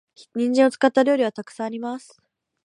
人参を使った料理は沢山あります。